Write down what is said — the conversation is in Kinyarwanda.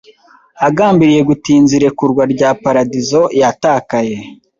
agambiriye gutinza irekurwa rya paradizo yatakaye.